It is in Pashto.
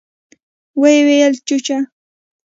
ويې ويل چوچيه.